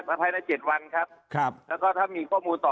ภายใน๗วันครับแล้วก็ถ้ามีข้อมูลต่อ